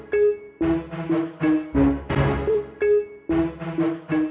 hati hati di jalan